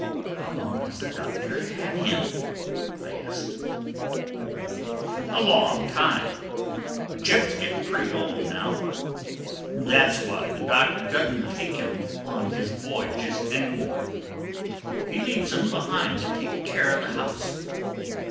"How long has the Doctor had him?" I asked. "Oh, a long time. Jip's getting pretty old now. That's why the Doctor doesn't take him on his voyages any more. He leaves him behind to take care of the house.